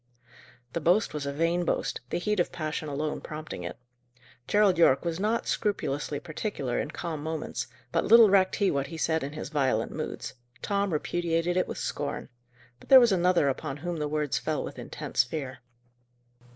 The boast was a vain boast, the heat of passion alone prompting it. Gerald Yorke was not scrupulously particular in calm moments; but little recked he what he said in his violent moods. Tom repudiated it with scorn. But there was another upon whom the words fell with intense fear.